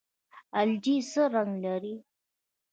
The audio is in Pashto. الجی څه رنګ لري؟